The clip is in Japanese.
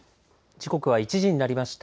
時刻は１時になりました。